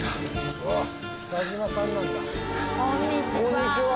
こんにちは。